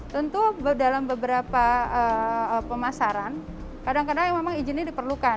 tentu dalam beberapa pemasaran kadang kadang memang izinnya diperlukan